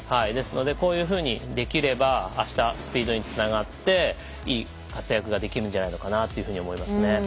ですのでこういうふうにできればあした、スピードにつながっていい活躍ができるんじゃないかと思いますね。